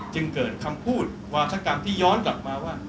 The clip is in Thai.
จึงเกิดคำพูดวาธกรรมที่ย้อนกลับมาว่า